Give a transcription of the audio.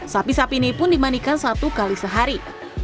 sapi sapi ini pun dimanikan satu kali sehari